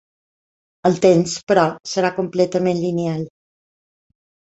El temps, però, serà completament lineal.